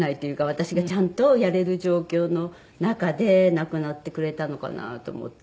私がちゃんとやれる状況の中で亡くなってくれたのかなと思って。